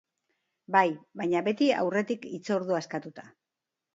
Bai, baina beti aurretik hitzordua eskatuta.